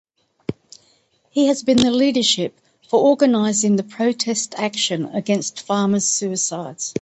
He has been the leadership for organising the protest action against farmers suicides.